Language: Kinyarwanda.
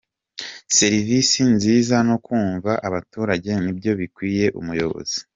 Serivisi nziza no kumva abaturage ni byo bikwiye Umuyobozi